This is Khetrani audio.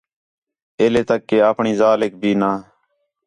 ایلے تک کہ اپݨی ذالیک بھی نَہ